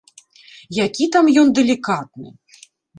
Які там ён далікатны!